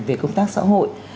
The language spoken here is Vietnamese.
về công tác xã hội